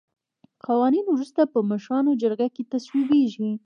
قوانین وروسته په مشرانو جرګه کې تصویبیږي.